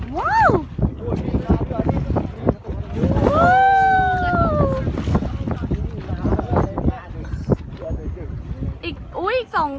ไว้เม็ดไทย